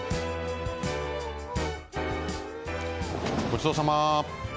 ごちそうさま。